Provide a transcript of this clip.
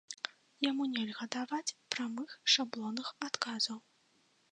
Яму нельга даваць прамых шаблонных адказаў.